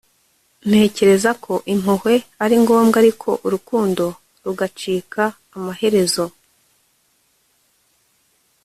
ntekereza ko impuhwe ari ngombwa ariko urukundo rugacika amaherezo